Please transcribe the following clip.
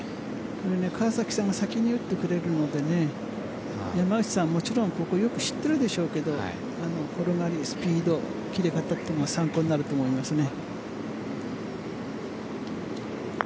川崎さんは先に打ってくれるので山内さんはもちろんよく知っているでしょうけど転がり、スピード、切れ方参考になると思いますね。